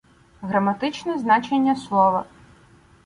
Граматичне значення слова